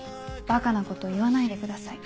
バカなこと言わないでください。